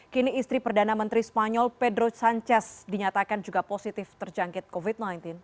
kini istri perdana menteri spanyol pedro sanchez dinyatakan juga positif terjangkit covid sembilan belas